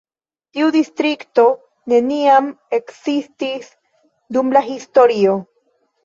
Tiu distrikto neniam ekzistis dum la historio.